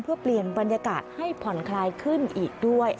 เพื่อเปลี่ยนบรรยากาศให้ผ่อนคลายขึ้นอีกด้วย